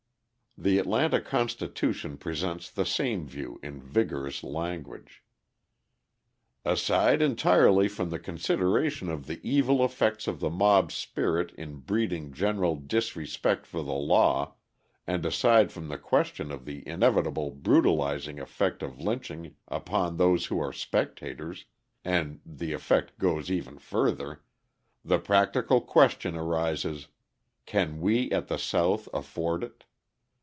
The Atlanta Constitution presents the same view in vigorous language: Aside entirely from the consideration of the evil effects of the mob spirit in breeding general disrespect for the law, and aside from the question of the inevitable brutalising effect of lynching upon those who are spectators and the effect goes even further the practical question arises: Can we at the South afford it?